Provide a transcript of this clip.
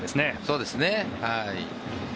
そうですね。